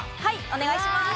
お願いします。